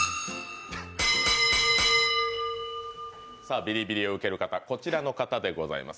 ビリビリを受ける方、こちらの方でございます。